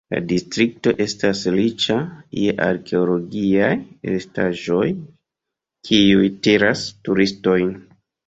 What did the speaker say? La distrikto estas riĉa je arkeologiaj restaĵoj, kiuj tiras turistojn.